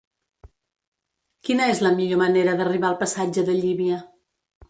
Quina és la millor manera d'arribar al passatge de Llívia?